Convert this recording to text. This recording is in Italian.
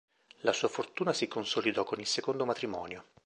La sua fortuna si consolidò con il secondo matrimonio.